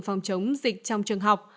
phòng chống dịch trong trường học